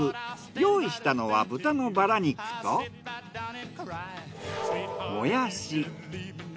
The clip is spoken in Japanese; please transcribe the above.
用意したのは豚のバラ肉ともやし。